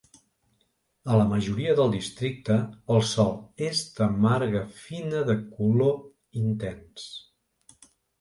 A la majoria del districte, el sol és de marga fina de color intens.